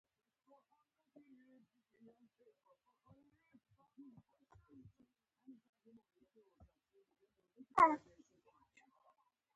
په حاکمیت کې د عالیه واک څرګندېدل